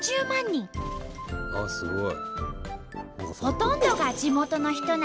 あっすごい。